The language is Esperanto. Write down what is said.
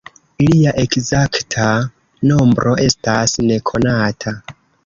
Ilia ekzakta nombro estas nekonata.